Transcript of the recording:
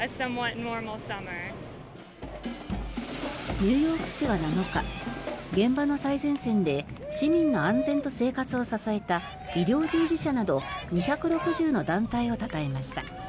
ニューヨーク市は７日現場の最前線で市民の安全と生活を支えた医療従事者など２６０の団体をたたえました。